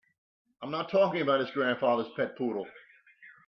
I'm not talking about his grandfather's pet poodle.